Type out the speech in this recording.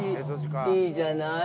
いいじゃない。